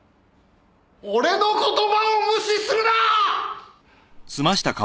俺の言葉を無視するなー！